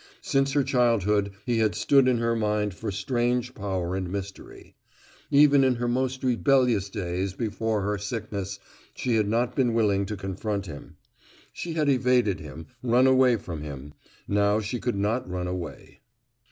Since her childhood he had stood in her mind for strange power and mystery. Even in her most rebellious days before her sickness she had not been willing to confront him. She had evaded him, run away from him. Now she could not run away.